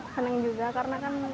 senang juga karena kan